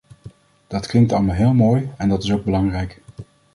Dat klinkt allemaal heel mooi, en dat is ook belangrijk.